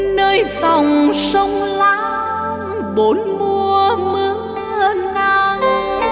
nơi dòng sông lam bốn mùa mưa nắng